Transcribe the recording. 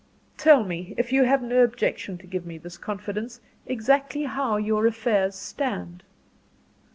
"Tell me, if you have no objection to give me this confidence, exactly how your affairs stand."